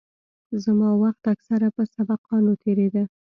زما وخت اکثره په سبقانو تېرېده.